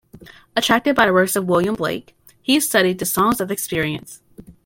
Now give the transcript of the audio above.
Attracted by the works of William Blake, he studied the "Songs of Experience".